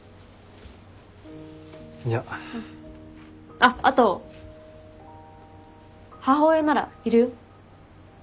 あっあと母親ならいるよ。